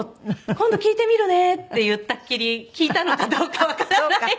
「今度聴いてみるね！」って言ったっきり聴いたのかどうかわからない。